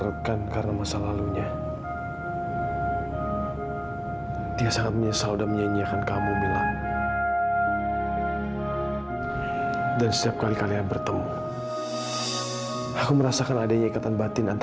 kita akan akan selalu keintaian untuk bapak terakhir di helpeduk kita lantang deployment